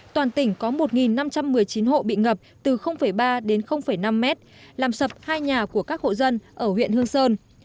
toàn tỉnh có một năm trăm một mươi chín hộ bị ngập từ ba đến năm mét làm sập hai nhà của các hộ dân ở huyện hương sơn